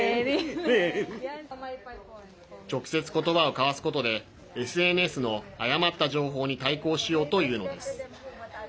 直接ことばを交わすことでＳＮＳの誤った情報に対抗しようというのです。